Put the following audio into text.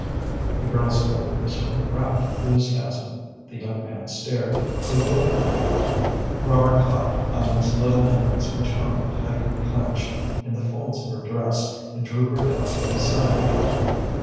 The girl spoke with a sort of rapt enthusiasm. The young man stared, bewildered. Robert caught Ellen's little hands, which hung, tightly clinched, in the folds of her dress, and drew her down to his side again.